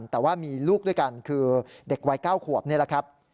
แต่ว่ามีลูกด้วยกันคือเด็กวัย๙ขวบนี่แหละครับ